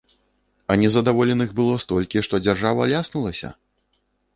А незадаволеных было столькі, што дзяржава ляснулася?